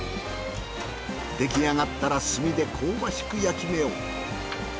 出来上がったら炭で香ばしく焼き目を。